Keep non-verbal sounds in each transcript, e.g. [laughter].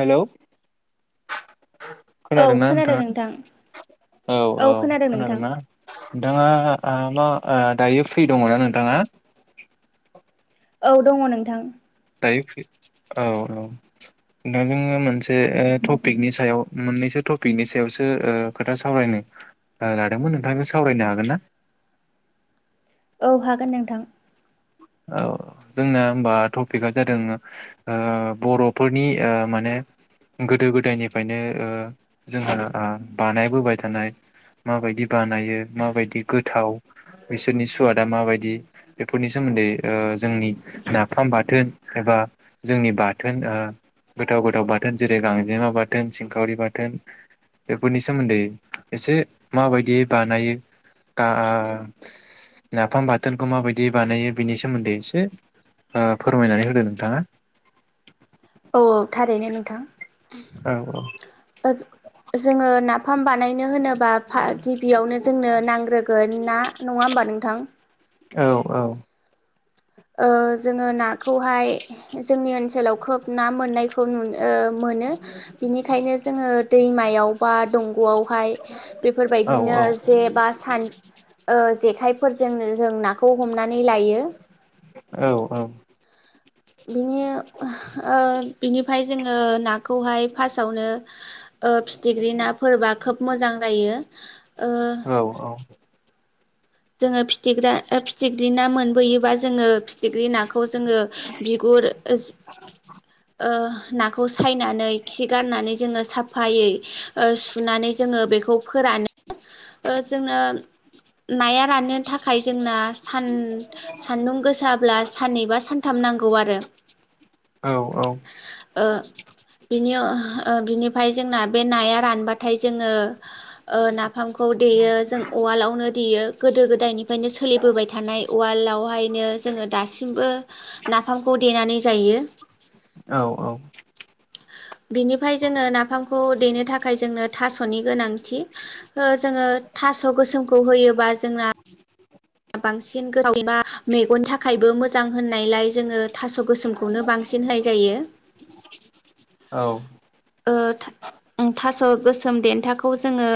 हेल' [inaudible] औ खोनादोंना खोनादों नोंथाङा नोंथां औ-औ औ खोनादों नोंथां खोनादोंना नोंथाङा ओ मा ओ दायो फ्रि दङना नोंथाङा? औ दङ नोंथां दायो फ्रि औ-औ नोंथांजों मोनसे ओ टपिकनि सायाव मोननैसो टपिकनि सायावसो ओ खोथा सावरायनो लादोंमोन नोंथांजों सावरायनो हागोन ना? औ हागोन नोंथां। औ जोंना होमबा टपिकआ जादों ओ बर'फोरनि माने गोदो गोदायनिफ्रायनो ओ जोंहा बानायबोबाय थानाय माबायदि बानायो माबायदि गोथाव बिसोरनि सुवादा माबायदि बेफोरनि नि सोमोन्दै जोंनि नाफाम बाथोन एबा जोंनि बाथोन गोथाव गोथाव बाथोन जेरै गांजेमा बाथोन सिंखावरि बाथोन बेफोरनि सोमोन्दै एसे माबायदियै बानायो ओ नाफाम बाथोनखौ मा बायदि बानायो बिनि सोमोन्दै एसे ओ फोरमायनानै होदो नोंथाङा औ थारैनो नोंथां औ ओ जोङो ना फाम बानाय होनोबा गिबियावनो जोंनो नांग्रोगोन ना नङा होमबा नोंथां? औ-औ ओ जोङो ना खौहाय जोंनि ओनसोलाव खोब ना मोननायखौ नुनो ओ मोनो बिनिखायनो जोङो दैमायाव बा दंग'आवहाय औ बेफोरबायदिनो जे बा सा ओ जेखाय फोरजोंनो जों नाखौ हमनानै लायो। औ-औ बिनि ओ बिनिफ्राय जोङो नाखौहाय फार्स्टआवनो ओ फिथिख्रि नाफोरबा खोब मोजां जायो। ओ औ-औ [inaudible] जोङो फिथिग्रा फिथिख्रि ना मोनबोयोबा जोङो फिथिख्रि नाखौ जोङो बिगुर ओ नाखौ सायनानै खि गारनानै जोङो साफायै सुनानै जोङो बेखौ फोरानो ओ जोंङो नाया राननो थाखाय जोंना सान सान्दुं गोसाब्ला साननै बा सानथाम नांगौ आरो औ ओ बिनि बिनिफ्राय जोंना बे नाया रानबाथाय जोङो नाफामखौ देयो जों उवालावनो देयो गोदो गोदायनिफ्रायनो सोलिबोबाय थानाय उवालावहायनो जोङो दासिमबो नाफामखौ देनानै जायो। औ बिनिफ्राय जोङो नाफामखौ देनो थाखाय जोंनो थास'नि गोनांथि ओ जोङो थास' गोसोमखौ होयोबा जोंना बांसिन [unintelligible] मेगननि थाखायबो मोजां होननायलाय जोङो थास' गोसोमखौनो बांसिन होनाय जायो। ओ ओम थास' गोसोम देन्थाखौ जोङो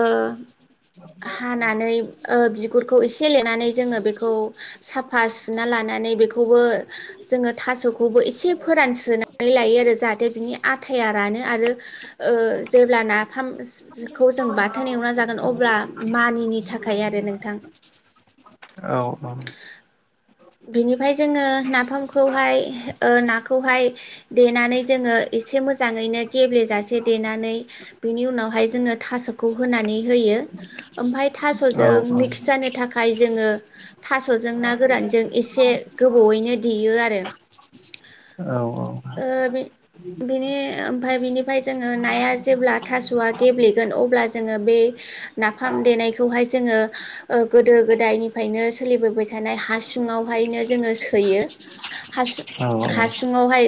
ओ हानानै ओ बिगुरखौ एसे लेनानै जोङो बेखौ साफा सुना लानानै बेखौबो जोङो थास'खौबो एसे फोरानस्रोनानै लायो आरो जाहाथे बिनि आथाया रानो आरो ओ जेब्ला नाफामखौ जों बथायोन एवना जागोन अब्ला मानिनि थाखाय आरो नोंथां बिनिफ्राय जोङो नाफामखौहाय ओ नाखौहाय देनानै जोङो एसे मोजाङैनो गेब्लेेजासे देनानै बिनि उनावहाय जोङो थास'खौ होनानै होयो ओमफ्राय औ थास'जों औ मिक्स जानो थाखाय जोङो थास'जों ना गोरानजों एसे गोबावयैनो देयो आरो औ ओ बि-बिनि-ओमफाय बिनिफ्राय जोङो नाया जेब्ला थास'आ गेब्लेगोन अब्ला जोङो बे नाफाम देनायखौहाय जोङो ओ गोदो-गोदायनिफ्रायनो सोलिबोबाय थानाय हासु हासुङावहायनो जोङो सोयो हासुं हासुङावहाय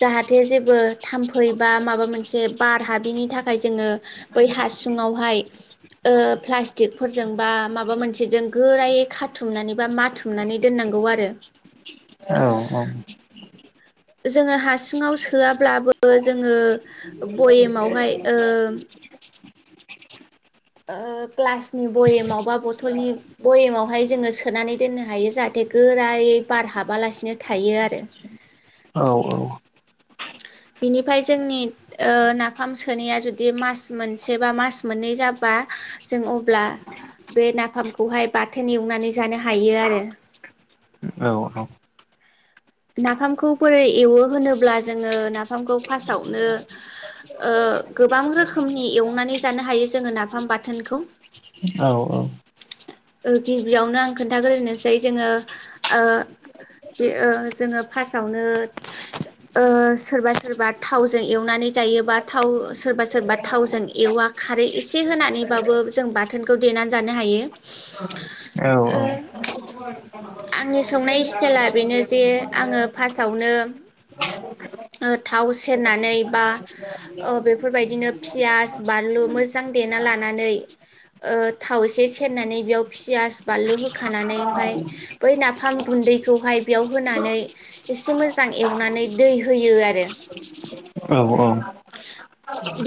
जाहाथे जेबो थाम्फै बा माबा मोनसे बार हाबिनि थाखाय जोङो बै हासुङावहाय ओ प्लास्टिकफोरजों बा माबा मोनसे जों गोरायै खाथुमनानै बा माथुम नानै दोननांगौ आरो जोङो हासुङाव सोआब्लाबो जोङो बयामावहाय ओ ओ ग्लासनि भयेमाव बा बथलनि भयेमावहाय जोङो सोनानै दोननो हायो जाहाथे गोरायै बार हाबालासिनो थायो आरो बिनिफ्राय जोंनि ओ नाफाम सोनाया जुदि मास मोनसे बा मास मोननै जाबा जों अब्ला बे नाफामखौहाय बाथोन एवनानै जानो हायो आरो नाफामखौ बोरै एवो होनोब्ला जोङो नाफामखौ फार्स्टावनो ओ गोबां रोखोमनि एवनानै जानो हायो जोङो नाफाम बाथोनखौ औ-औ ओ गिबियावनो आं खोन्थाग्रोनोसै जोङो ओ-ओ जोङो फार्स्टआवनो ओ सोरबा सोरबा थावजों एवनानै जायोबा थाव सोरबा सोरबा थावजों एवा खारै एसे होनानैबाबो जों बाथोनखौ देनानै जानो हायो ओ आंनि संनाय [unintelligible] बेनो जे आङो फार्सआवनो ओ थाव सेरनानै बा ओ बेफोरबायदिनो फियास बानलु मोजां देना लानानै ओ थाव एसे सेरनानै बेयाव फियास बानलु होखानानै ओमफाय बै नाफाम गुन्दैखौहाय बेयाव होनानै एसे मोजां एवनानै दै होयो आरो।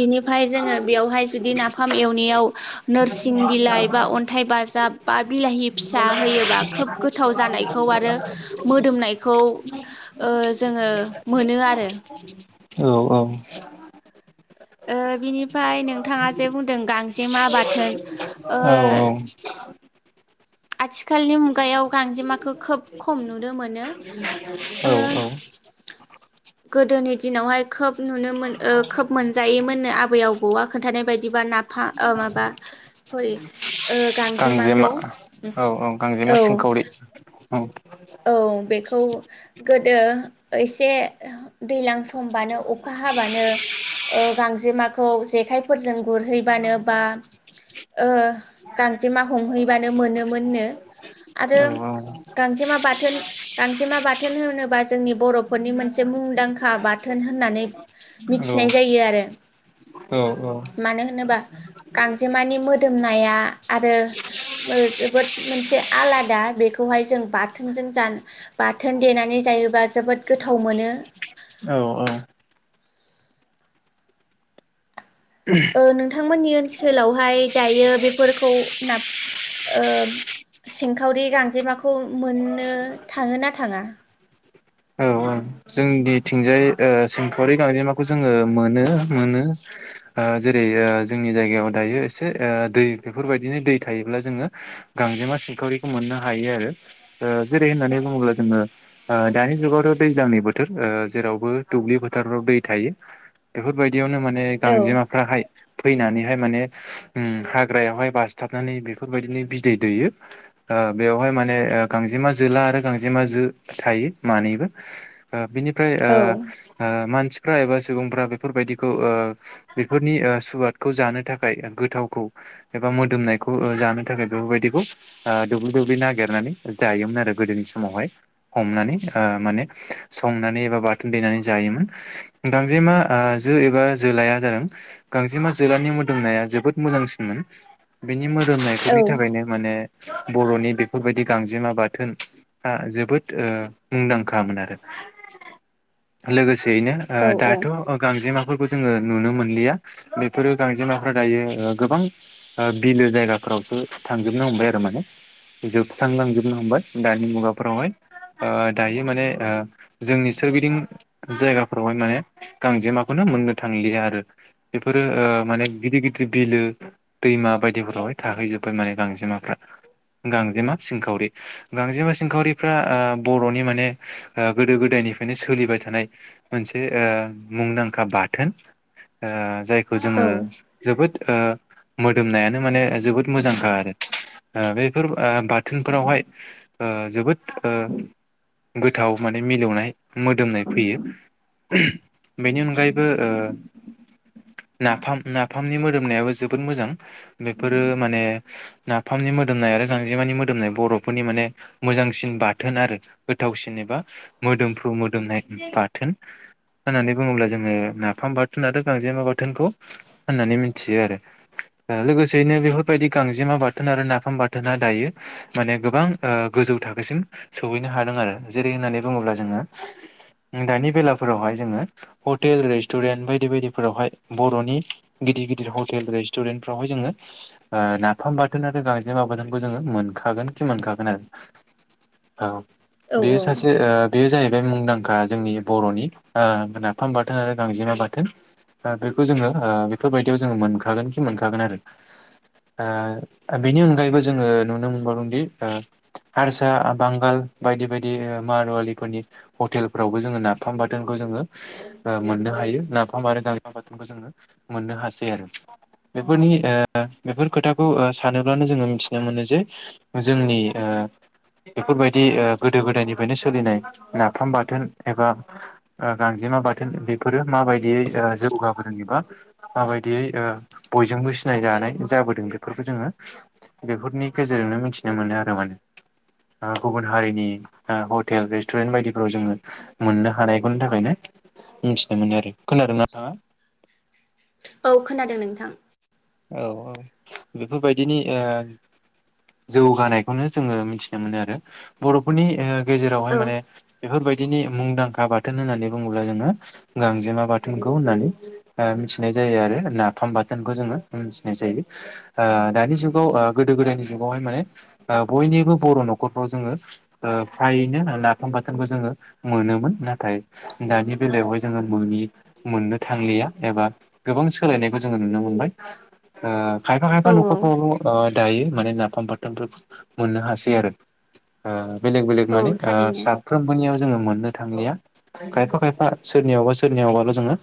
बिनिफ्राय जोङो बेवहाय जुदि नाफाम एवनायाव नोरसिं बिलाइ बा अन्थाइ बाजाब बा बिलाहि फिसा होयोबा खोब गोथाव जानाय खौ आरो मोदोमनाय खौ ओ जोङो मोनो आरो। औ औ। ओ बिनिफाय नोंथाङा जे बुंदों गांजेमा बाथोन ओ औ आथिखालनि मुगायाव गांजेमाखौ खोब खम नुनो मोनो औ ओ औ गोदोनि दिनावहाय खोब नुनो मोन ओ खोब मोनजायोमोननो आबै आबौआ खोन्थानाय बायदिबा नाफा ओ माबा सरि ओ गांजेमा गांजेमाखौ औ औ गांजेमा सिंखावरि औ। [unintelligible] खौ गोदो एसे दैज्लां समबानो अखा हाबानो ओ गांजेमाखौ जेखाइफोरजों गुरहैबानो बा ओ गांजेमा हमहैबानो मोनोमोन नो आरो औ गांजेमा बाथोन गांजेमा बाथोन होनोबा जोंनि बर' फोरनि मोनसे मुंदांखा बाथोन होन्नानै औ मिथिनाय जायो आरो औ औ मानो होनोबा गांजेमानि मोदोमनाया आरो ओ जोबोद मोनसे आलादा बेखौहाय जों बा थोन जों जान बाथोन देनानै जायोबा जोबोद गोथाव मोनो। औ औ ओ नोंथांमोननि ओनसोलावहाय दायो बेफोरखौ ना ओ सिंखावरि गांजेमाखौ मोननो थाङो ना थाङा? निथिंजाय ओ सिंखावरि गांजेमाखौ जोङो मोनो मोनो ओ जेरै ओ जोंनि जायगायाव दायो एसे ओ दै बेफोरबायदिनो दै थायोब्ला जोङो गांजेमा सिंखावरिखौ मोननो हायो आरो जेरै होननानै बुङोब्ला जोङो दानि जुगावथ' दैज्लांनि बो थोर ओ जेरावबो दुब्लि फोथाराव दै थायो बेफोर बिदियावनो माने औ गांजेमाफ्राहाय फैनानैहाय माने ओम हाग्रायावहाय बासथाबनानै बेफोरबायदिनो बिदै दैयो ओ बेवहाय माने ओ गांजेमा जोला आरो गांजेमा जो थायो मानैबो। ओ बिनिफ्राय औ ओ ओ मानसि फ्रा एबा सुबुंफ्रा बेफोरबायदिखौ ओ बेफोरनि ओ सुवादखौ जानो थाखाय गोथावखौ एबा मोदोमनायखौ ओ जानो थाखाय बेफोरबायदिखौ ओ दोब्लि दोब्लि नागिरनानै जायोमोन आरो गोदोनि समावहाय हमनानै ओ माने। संनानै एबा बाथोन देनानै जायोमोन गांजेमा ओ जो एबा जोलाया जादों गांजेमा जोलानि मोदोमनाया जोबोद मोजांसिनमोन बेनि मोद औ दोमनायफोरनि थाखायनो माने बर'नि बेफोरबायदि गांजेमा बाथोनआ जोबोद ओ मुंदांखामोन आरो। लोगोसे बेनो ओ औ दाथ' ओ गांजेमा बेफोरखौ जोङो नुनो मोनलिया बेफोरो गांजेमाफोरा दायो ओ गोबां बिलो जायगाफोरावसो थांजोबनो हमबाय आरो माने जोबस्रांलांजोबनो हमबाय दानि मुगाफोरावहाय ओ दायो माने ओ जोंनि सोरगिदिं जायगाफोरावहाय माने गांजेमाखौनो मोननो थांलिया आरो बेफोरो ओ माने गिदिर गिदिर बिलो दैमा बायदिफोरावहाय थाहैजोबबाय माने गांजेमाफ्रा गांजेमा सिंखावरि गांजेमा सिनखावरिफ्रा ओ बर'नि माने ओ गोदो गोदायनिफ्रायनो सोलिबाय थानाय मोनसे ओ मुंदांखा बाथोन जाय ओ जाय खौ जोङो औ जोबोद ओ मोदोमनायानो माने जोबोद मोजांखा आरो ओ बेफोर बाथोनफोरावहाय ओ जोबोद ओ गोथाव माने मिलौनाय मोदोमनाय फैयो बेनि अनगायैबो ओ नाफाम नाफामनि मोदोमनायाबो जोबोद मोजां बेफोरो माने नाफामनि मोदोमनाय आरो गांजेमानि मोदोमनाय बर'फोरनि माने मोजांसिन बाथोन आरो गोथावसिन बा मोदोमफ्रु मोदोमनाय बाथोन होननानै बुङोब्ला जोङो नाफाम बाथोन आरो गांजेमा बाथोनखौ होननानै मिथियो आरो लोगोसेयैनो बेफोरबायदि गांजेमा बाथोन आरो नाफाम बाथोना दायो माने गोबां ओ गोजौ थाखोसिम सहैनो हादों आरो जेरै होननानै बुङोब्ला जोङो दानि बेलाफोरावहाय जोङो हटेल रेस्टुरेन्ट बायदि बायदिफोरावहाय बर'नि गिदिर गिदिर हटेल रेस्टुरेन्टफ्रावहाय जोङो ओ नाफाम बाथोन आरो गांजेमा बाथोनखौ जोङो मोनखागोन खि मोनखागोन आरो औ। बेयो औ सासे ओ बेयो जाहैबाय बे मुंदांखा जोंनि बर'नि ओ नाफाम बाथोन आरो गांजेमा बाथोन बेखौ जोङो ओ बेफोरबायदियाव जोङो मोनखागोन खि मोनखागोन आरो ओ बेनि अनगायैबो जोङो नुनो मोनबावदोंदि ओ हारसा बांगाल बायदि बायदि बिदि मारुवालिफोरनि हटेलफोरावबो जोङो नाफाम बाथोनखौ जोङो मोननो हायो नाफाम आरो गांजेमा बाथोनखौ जोङो मोननो हासै आरो बेफोरनि ओ बेफोर खोथाखौ सानोब्लानो जोङो मिथिनो मोनो जे जोंनि ओ बेफोरबायदि ओ गोदो गोदायनिफ्रायनो सोलिनाय नाफाम बाथोन एबा गांजेमा बाथोन बे फोरो माबायदियै ओ जौगाब एबा माबायदियै ओ बयजोंबो सिनायजानाय जाबोदों बेफोरखौ जोङो बेफोरनि गेजेरजोंनो मिथिनो मोनो आरो माने गुबुन हारिनि हटेल रेस्टुरेन्ट बायदिफोराव जोङो मोननो हानायखौनि थाखायनो मिथिनो मोनो आरो खोनादों ना नोंथाङा? औ खोनादों नोंथां। औ औ बेफोरबायदिनि ओ जौगानायखौनो जोङो मिथिनो मोनो आरो बर'फोरनि ओ गेजेरावहाय औ माने बेफोरबायदि बिदिनि मुंदांखा बाथोन होन्नानै बुङोब्ला जोङो गांजेमा बाथोनखौ होननानै मिथिनाय जायो आरो नाफाम बाथोनखौ जोङो मिथिनाय जायो ओ दानि जुगाव गोदो गोदायनि जुगावहाय माने बयनिबो बर' नखरफ्राव जोङो फ्रायैनो नाफाम बाथोनखौ जोङो मोनोमोन नाथाय दानि बेलायावहाय जोङो मोनि मोननो थांलिया एबा गोबां सोलायनायखौ जोङो नुनो मोनबाय। ओ खायफा खायफा औ न'खर फोरावल ओ दायो माने नाफाम बाथोनफोरखौ मोननो हासै आरो ओ बेलेग बेलेग औ माने ओ थारैनो साफ्रोमबोनियाव जोङो मोननो थांलिया खायफा खायफा सोरनियावबा सोरनियावबाल' जोङो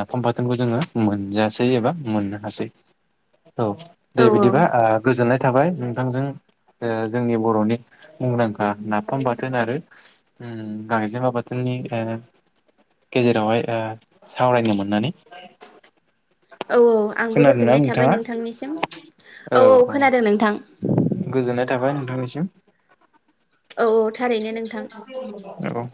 नाफाम बाथोनखौ जोङो मोनजासै एबा मोननो हासै औ दे औ बिदिबा गोजोननाय थाबाय नोंथांजों जोंनि बर'नि मुंदांखा नाफाम बाथोन आरो ओम गांजेमा बाथोननि ओ गेजेरावहाय ओ सावरायनो मोननानै। औ औ आंबो खोनादोंना गोजोननाय थाबाय नोंथाङा नोंथांनिसिम औ औ खोनादों नोंथां। जाबाय नोंथांनिसिम औ थारैनो नोंथां। औ